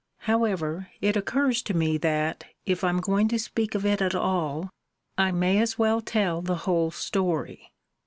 However, it occurs to me that, if I'm going to speak of it at all, I may as well tell the whole story.